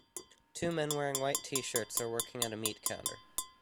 Two men wearing white tshirts are working at a meat counter.